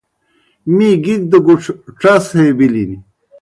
می گِک دہ گُڇھ ڇَس ہے بِلِن۔